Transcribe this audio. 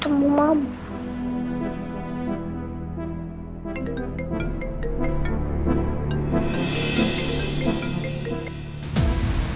semoga ketemu mamam metalik